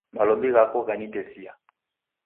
Malombi ghako ghanitesia.